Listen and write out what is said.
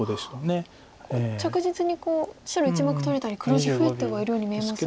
着実にこう白１目取れたり黒地増えてはいるように見えますが。